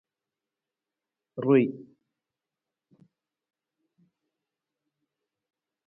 Ruwii.